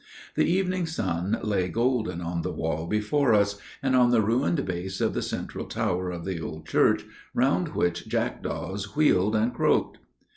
The evening sun lay golden on the wall before us and on the ruined base of the central tower of the old church, round which jackdaws wheeled and croaked."